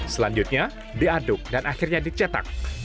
selanjutnya diaduk dan akhirnya dicetak